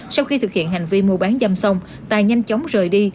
sau khi thực hiện hành vi mua bán dâm xong tài nhanh chóng rời đi